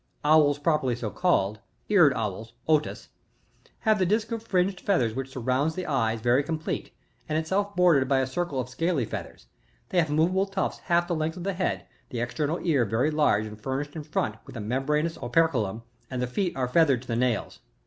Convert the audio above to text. t>l. Owls PRORERLY so called, — Eared Owls, — Olus^ — {Plate 3, fig, 2.) have the disk of firinged feathers which surrounds the eyes, very complete, and itself bordered by a circle of scaly feathers ; they have moveable tufts half the length of the head, the external ear very large and furnished in front with a mem branous operculum, and the feet are feathered to the nails.